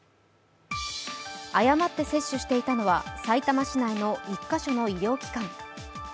誤って接種していたのはさいたま市内の１か所の医療機関。